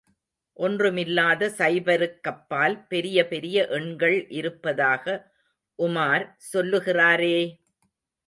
ஒன்றுமில்லாத சைபருக்கப்பால் பெரிய பெரிய எண்கள் இருப்பதாக உமார் சொல்லுகிறாரே!